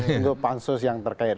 tunggu pansus yang terkait